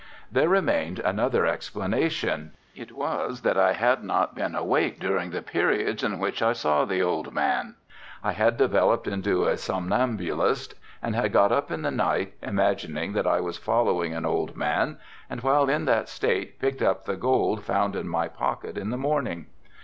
There remained another explanation, it was that I had not been awake during the periods in which I saw the old man. I had developed into a somnambulist and had got up in the night, imagining that I was following an old man and while in that state picked up the gold found in my pocket in the morning.